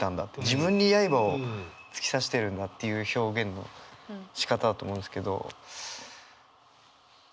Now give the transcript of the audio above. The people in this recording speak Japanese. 自分に刃を突き刺しているんだっていう表現のしかただと思うんですけど。